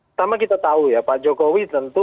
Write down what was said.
pertama kita tahu ya pak jokowi tentu